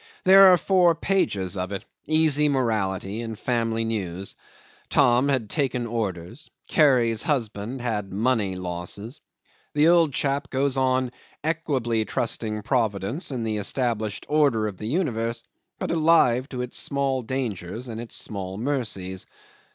There are four pages of it, easy morality and family news. Tom had "taken orders." Carrie's husband had "money losses." The old chap goes on equably trusting Providence and the established order of the universe, but alive to its small dangers and its small mercies.